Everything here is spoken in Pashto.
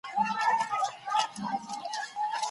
ولي يې راتګ مهم نه دی ؟